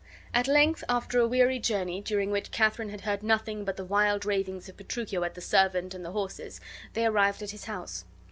At length, after a weary journey, during which Katharine had heard nothing but the wild ravings of Petruchio at the servant and the horses, they arrived at his house.